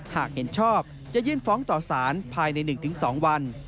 หากเห็นชอบจะยื่นฟ้องต่อสารภายใน๑๒วัน